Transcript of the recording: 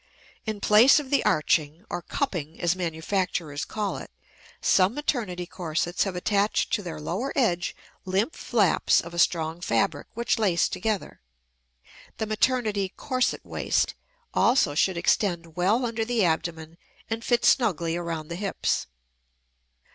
In place of the arching, or "cupping" as manufacturers call it, some maternity corsets have attached to their lower edge limp flaps of a strong fabric which lace together. The maternity corset waist also should extend well under the abdomen and fit snugly around the hips.